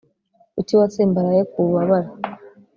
kuki watsimbaraye ku bubabare